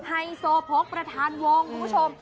ไฮโซโพกประธานวงบู่ชม